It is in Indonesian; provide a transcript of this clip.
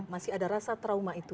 masih ada rasa trauma itu